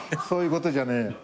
そういうことじゃねえ。